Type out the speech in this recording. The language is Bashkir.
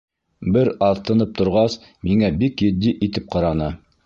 Бер аҙ тынып торғас, миңә бик етди итеп ҡараны: